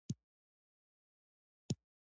د ماشوم د سترګو د پاکوالي لپاره څه شی وکاروم؟